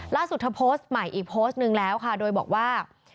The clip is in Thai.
ล่าสุดเธอโพสต์ใหม่อีกโพสต์หนึ่งแล้วค่ะโดยบอกว่า